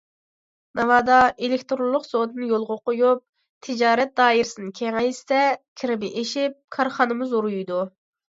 ناۋادا ئېلېكتىرونلۇق سودىنى يولغا قويۇپ، تىجارەت دائىرىسىنى كېڭەيتسە، كىرىمى ئېشىپ، كارخانىمۇ زورىيىدۇ.